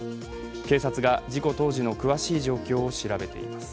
警察が事故当時の詳しい状況を調べています。